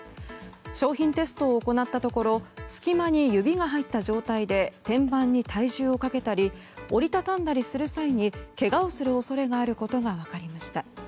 商品テストを行ったところ隙間に指が入った状態で天板に体重をかけたり折り畳んだりする際にけがをする恐れがあることが分かりました。